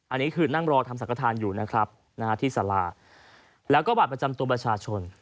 อันนี้คือนั่งรอทำสังฆฐานอยู่นะครับที่สาราแล้วก็บัตรประจำตัวประชาชน